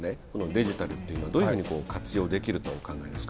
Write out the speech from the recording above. デジタルっていうのはどういうふうに活用できるとお考えですか？